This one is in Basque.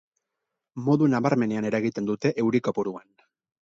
Modu nabarmenean eragiten dute euri kopuruan.